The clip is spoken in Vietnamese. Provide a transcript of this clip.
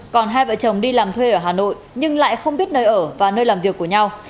còn hai vợ chồng đi làm thuê ở hà nội nhưng lại không biết nơi ở và nơi làm việc của nhau